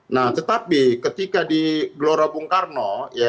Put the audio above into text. nah tetapi ketika di gelora bung karno